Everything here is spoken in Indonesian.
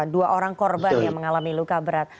dua orang korban yang mengalami luka berat